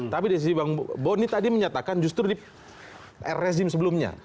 tapi di sisi bang boni tadi menyatakan justru di rezim sebelumnya